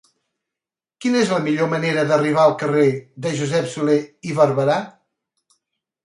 Quina és la millor manera d'arribar al carrer de Josep Solé i Barberà?